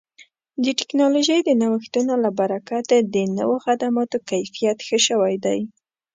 د ټکنالوژۍ د نوښتونو له برکته د نوو خدماتو کیفیت ښه شوی دی.